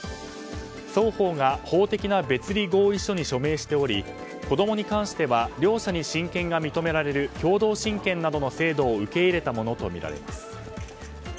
双方が法的な別離合意書に署名しており子供に関しては両者に親権が認められる共同親権などの制度を受け入れたものとみられます。